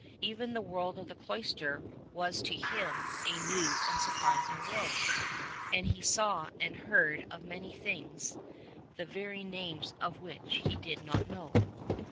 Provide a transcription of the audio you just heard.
Even the world of the cloister was to him a new and a surprising world, and he saw' and heard of many things the very names of which he did not know.